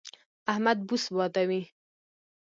احمد بوس بادوي.